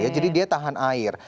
jadi dia tahan air